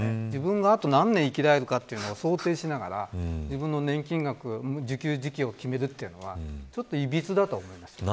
自分があと何年生きられるかを想定しながら自分の年金額受給時期を決めるのはちょっと、いびつだと思います。